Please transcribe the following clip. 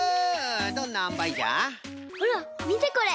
ほらみてこれ。